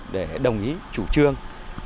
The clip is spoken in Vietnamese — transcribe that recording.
để đồng ý chủ trương